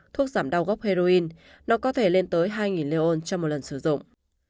thuốc giảm đau gốc heroin nó có thể lên tới hai leon trong một lần sử dụng